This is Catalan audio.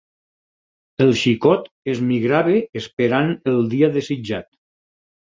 El xicot es migrava esperant el dia desitjat